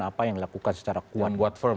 apa yang dilakukan secara kuat